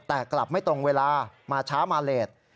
แต่กลับไม่ตรงเวลามาช้ามาเลส